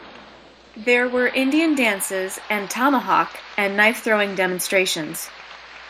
There were Indian dances and tomahawk and knife-throwing demonstrations.